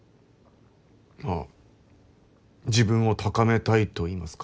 まあ自分を高めたいといいますか。